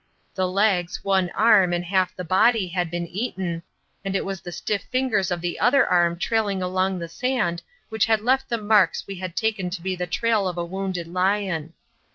The legs, one arm and half the body had been eaten, and it was the stiff fingers of the other arm trailing along the sand which had left the marks we had taken to be the trail of a wounded lion.